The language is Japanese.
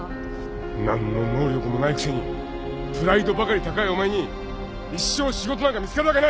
何の能力もないくせにプライドばかり高いお前に一生仕事なんか見つかるわけない。